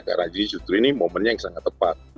karena ini momennya yang sangat tepat